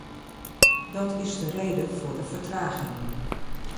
Dat is de reden voor de vertraging.